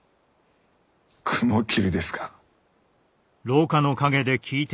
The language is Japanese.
雲霧ですか。